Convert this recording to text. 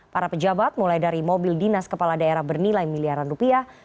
para pejabat mulai dari mobil dinas kepala daerah bernilai miliaran rupiah